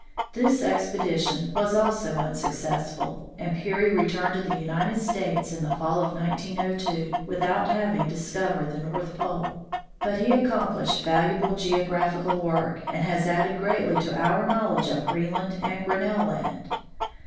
This expedition was also unsuccessful, and Peary returned to the United States in the fall of 1902, without having discovered the North Pole. But he accomplished valuable geographical work, and has added greatly to our knowledge of Greenland and Grinnell land.